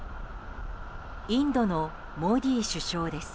インドのモディ首相です。